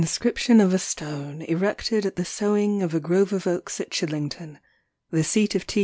INSCRIPTION FOR A STONE ERECTED AT THE SOWING OF A GROVE OF OAKS AT CHILLINGTON, THE SEAT OF T.